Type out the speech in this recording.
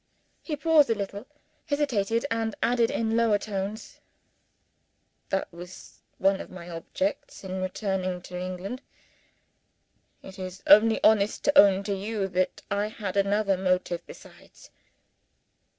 He paused a little hesitated and added in lower tones: "That was one of my objects in returning to England. It is only honest to own to you that I had another motive besides."